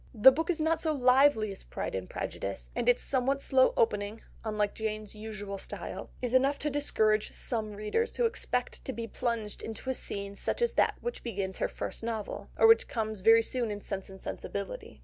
The book is not so lively as Pride and Prejudice, and its somewhat slow opening, unlike Jane's usual style, is enough to discourage some readers who expect to be plunged into a scene such as that which begins her first novel, or which comes very soon in Sense and Sensibility.